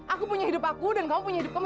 aku punya hidup aku dan kamu punya hidup kamu